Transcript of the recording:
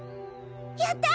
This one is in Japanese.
やった！